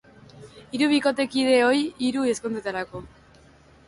Hiru bikotekide ohi hiru ezkontzetarako.